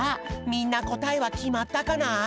みんなこたえはきまったかな？